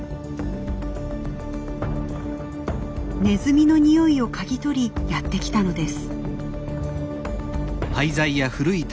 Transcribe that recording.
ネズミの匂いを嗅ぎ取りやって来たのです。